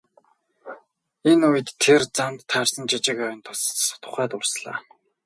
Энэ үед тэр замд таарсан жижиг ойн тухай дурслаа.